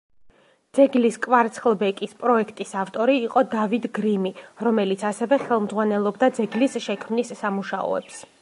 ძეგლის კვარცხლბეკის პროექტის ავტორი იყო დავიდ გრიმი, რომელიც ასევე ხელმძღვანელობდა ძეგლის შექმნის სამუშაოებს.